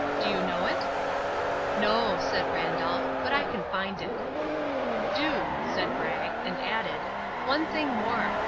"Do you know it?" "No," said Randolph, "but I can find it." "Do," said Bragg, and added, "One thing more.